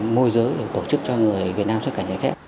môi giới để tổ chức cho người việt nam xuất cảnh trái phép